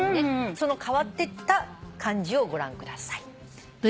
その変わっていった感じをご覧ください。